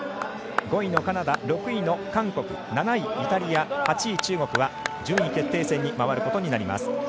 ５位のカナダ、６位の韓国７位、イタリア、８位、中国は順位決定戦に回ることになります。